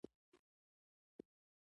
چا د غم او بې وطنۍ له درانه پیټي سره.